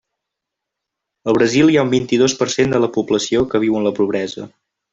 Al Brasil hi ha un vint-i-dos per cent de la població que viu en la pobresa.